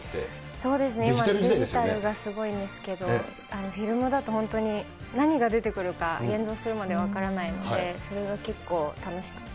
そうですね、デジタルが、フィルムだと、本当に何が出てくるか、現像するまで分からないので、それが結構、楽しくて。